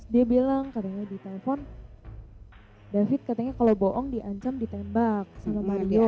dia bilang katanya di telepon david katanya kalau bohong diancam ditembak sama maria